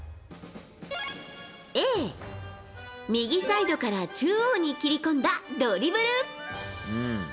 Ａ、右サイドから中央に切り込んだドリブル。